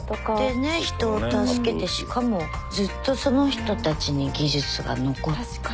でね人を助けてしかもずっとその人たちに技術が残って。